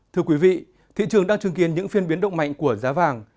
thưa quý vị thị trường đang chứng kiến những phiên biến động mạnh của giá vàng